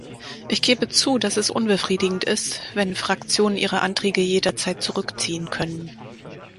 Ich gebe zu, dass es unbefriedigend ist, wenn Fraktionen ihre Anträge jederzeit zurückziehen können.